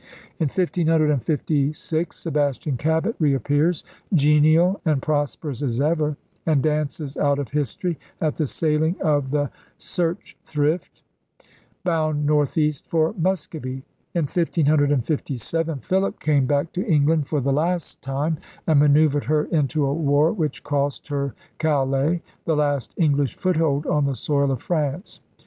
In 1556 Sebastian Cabot reappears, genial and prosperous as ever, and dances out of history at the sailing of the Serch thrift, bound northeast for Muscovy. In 1557 Philip came back to England for the last time and manoeuvred her into a war which cost her Calais, the last English foothold on the soil of France.